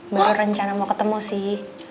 baru rencana mau ketemu sih